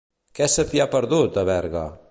Què se t'hi ha perdut, a Berga?